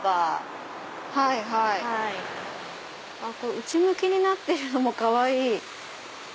内向きになってるのもかわいい！